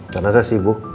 karena saya sibuk